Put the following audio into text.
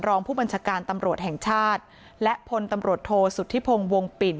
รองผู้บัญชาการตำรวจแห่งชาติและพลตำรวจโทษสุธิพงศ์วงปิ่น